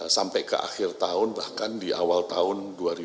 sampai ke akhir tahun bahkan di awal tahun dua ribu dua puluh